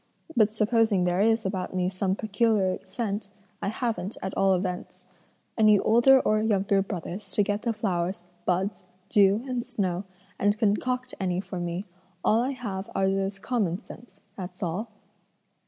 But supposing there is about me some peculiar scent, I haven't, at all events, any older or younger brothers to get the flowers, buds, dew, and snow, and concoct any for me; all I have are those common scents, that's all."